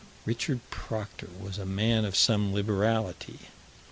Richard Proctor was a man of some liberality.